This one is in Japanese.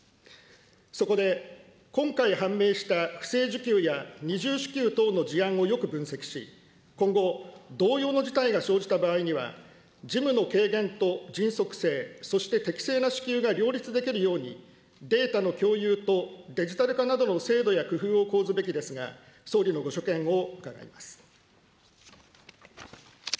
そこで、今回判明した不正受給や、二重支給等の事案をよく分析し、今後、同様の事態が生じた場合には、事務の軽減と迅速性、そして適正な支給が両立できるように、データの共有と、デジタル化などの制度や工夫を講ずべきですが、総理のご所見を伺います。